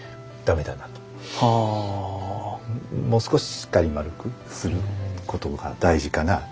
もう少ししっかり丸くすることが大事かなと。